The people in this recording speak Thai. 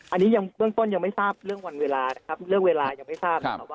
อันนี้ยังเบื้องต้นยังไม่ทราบเรื่องวันเวลานะครับเรื่องเวลายังไม่ทราบนะครับว่า